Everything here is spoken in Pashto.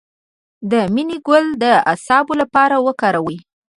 د مڼې ګل د اعصابو لپاره وکاروئ